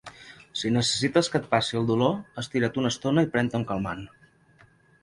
Si necessites que et passi el dolor, estira't una estona i pren-te un calmant.